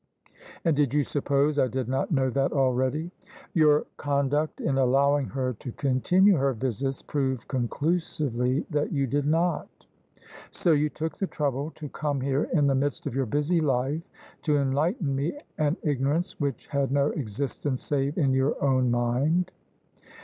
" And did you suppose I did not know that already? " "Your conduct in allowing her to continue her visits proved conclusively that you did not" " So you took the trouble to come here, in the midst of your busy life, to enlighten an ignorance which had no existence save in your own mind?"